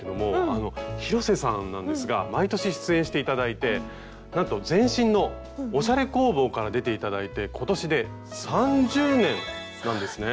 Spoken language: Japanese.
あの広瀬さんなんですが毎年出演して頂いてなんと前身の「おしゃれ工房」から出て頂いて今年で３０年なんですね。